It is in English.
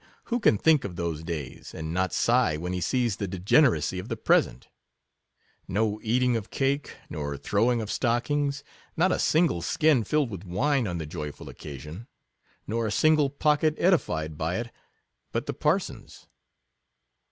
who can think of those days, and not sigh when he sees the degeneracy of the present: no eating of cake nor throwing of stockings — not a single skin filled with wine on the joyful occasion — nor a single pocket edified by it but the parson's.